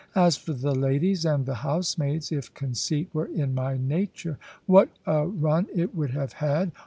As for the ladies and the housemaids, if conceit were in my nature, what a run it would have had!